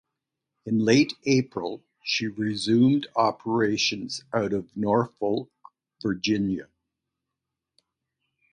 In late April, she resumed operations out of Norfolk, Virginia.